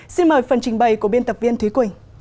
xin mời phần trình bày của biên tập viên thúy quỳnh